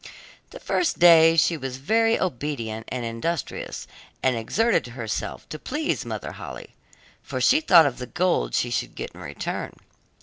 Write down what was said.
The first day she was very obedient and industrious, and exerted herself to please Mother Holle, for she thought of the gold she should get in return.